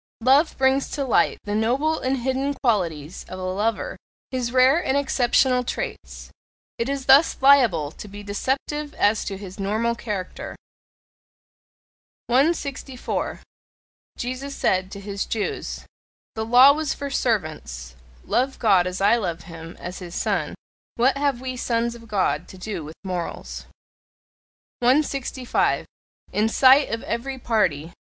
Love brings to light the noble and hidden qualities of a lover his rare and exceptional traits: it is thus liable to be deceptive as to his normal character. 164. Jesus said to his Jews: "The law was for servants; love God as I love him, as his Son! What have we Sons of God to do with morals!" 165. IN SIGHT OF EVERY PARTY.